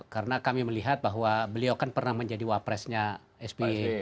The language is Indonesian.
karena kami melihat bahwa beliau kan pernah menjadi wapresnya sby